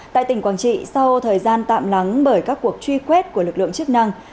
tại tỉnh quảng trị sau thời gian tạm lắng bởi các cuộc truy quét của lực lượng chức năng